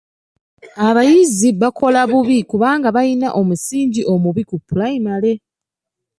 Abayizi bakola bubi kubanga bayina omusingi omubi ku pulayimale.